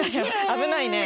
危ないね。